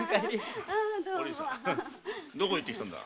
どこへ行ってきたんだ？